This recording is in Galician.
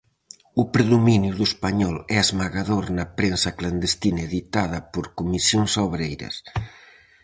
O predominio do español é esmagador na prensa clandestina editada por Comisións Obreiras.